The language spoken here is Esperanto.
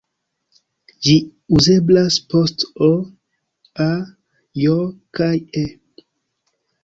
Ĝi uzeblas post "-o", "-a", "-j" kaj "-e".